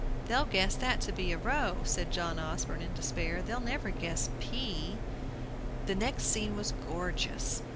"They'll guess that to be 'row,'" said John Osborne in despair; "they'll never guess 'P'!" The next scene was gorgeous.